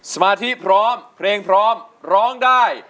สมาธิพร้อมเพลงพร้อมร้องได้